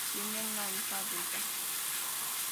Tienen una hija adulta.